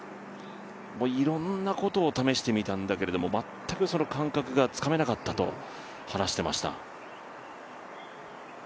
いろんなことを試してみたんだけれども、全く感覚がつかめなかったと話していました。